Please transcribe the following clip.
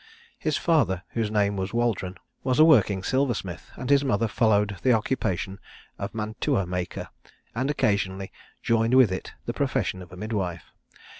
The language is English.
His father, whose name was Waldron, was a working silversmith; and his mother followed the occupation of mantua maker, and occasionally joined with it the profession of a midwife.